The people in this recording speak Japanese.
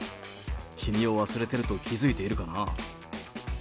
君を忘れていると気付いているかな？